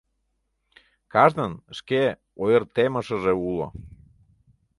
Кажнын шке ойыртемышыже уло.